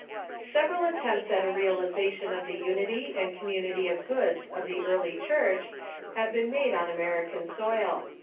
] Several attempts at a realization of the snity and com munity of goods of the Early Church have been made on American soil.